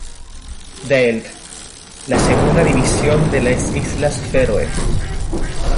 Deild la segunda división de las Islas Feroe.